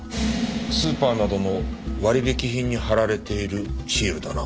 スーパーなどの割引品に貼られているシールだな。